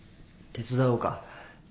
手伝おうか？